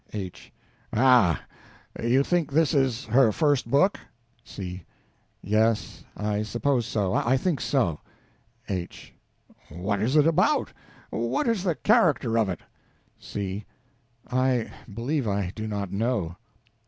H. Ah. You think this is her first book? C. Yes I suppose so. I think so. H. What is it about? What is the character of it? C. I believe I do not know.